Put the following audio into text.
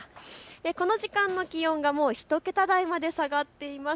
この時間の気温が１桁台まで下がっています。